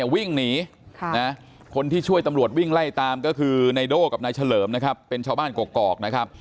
วิ่งหนีคนที่ช่วยตำรวจวิ่งไล่ตามก็คือนายโด้กับนายเฉลิมเป็นชาวบ้านกรอก